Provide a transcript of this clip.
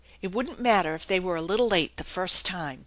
It wouldn't matter if they were a little late the first time.